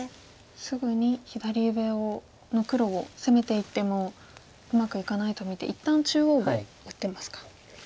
すぐに左上の黒を攻めていってもうまくいかないと見て一旦中央を打ってますか。